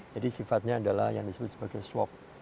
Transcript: jadi sifatnya adalah yang disebut sebagai swap